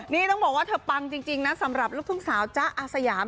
นี่ต้องบอกว่าเธอปังจริงนะสำหรับลูกทุ่งสาวจ๊ะอาสยาม